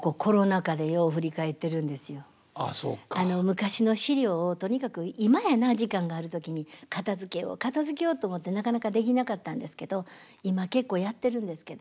昔の資料をとにかく今やな時間がある時に片づけよう片づけようと思ってなかなかできなかったんですけど今結構やってるんですけど。